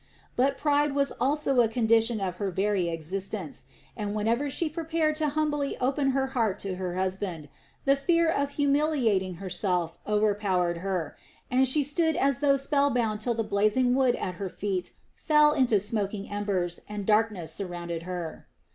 But pride was also a condition of her very existence, and whenever she prepared to humbly open her heart to her husband, the fear of humiliating herself overpowered her, and she stood as though spell bound till the blazing wood at her feet fell into smoking embers and darkness surrounded her.